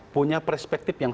punya perspektif yang